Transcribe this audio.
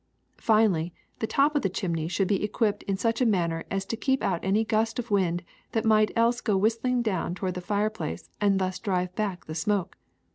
^* Finally, the top of the chimney should be equipped in such a manner as to keep out any gust of wind that might else go whistling down toward the fireplace and thus drive back the smoke.